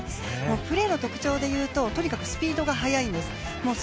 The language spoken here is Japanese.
プレーの特徴でいうととにかくスピードが速いんです。